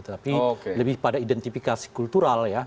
tapi lebih pada identifikasi kultural ya